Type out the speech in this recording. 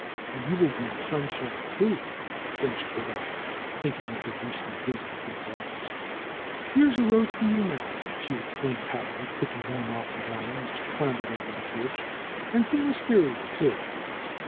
^^And you will bring the sunshine, too !" finished the Doctor, thinking of her recent visit to his office. ^^Here's a rose for you now!" she exclaimed happily, picking one off the vine which clambered over the porch. ^^And some wistaria, too!"